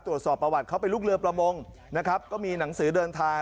ตรวจสอบประวัติเขาเป็นลูกเรือประมงนะครับก็มีหนังสือเดินทาง